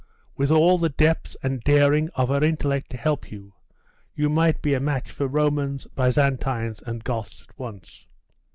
With all the depth and daring of her intellect to help you, you might be a match for Romans, Byzantines, and Goths at once.